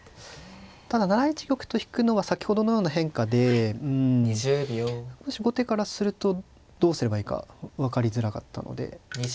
ただ７一玉と引くのは先ほどのような変化で少し後手からするとどうすればいいか分かりづらかったので。